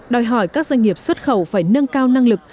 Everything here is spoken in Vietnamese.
đòi hỏi các doanh nghiệp xuất khẩu phải nâng cao năng lực